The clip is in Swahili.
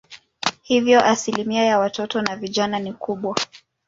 Hivyo asilimia ya watoto na vijana ni kubwa.